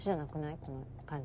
この感じ。